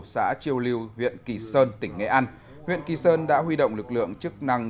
xã triều lưu huyện kỳ sơn tỉnh nghệ an huyện kỳ sơn đã huy động lực lượng chức năng